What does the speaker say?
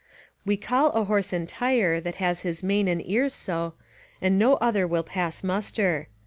We call a horse entire, that has his mane and ears so, and no other will pass muster.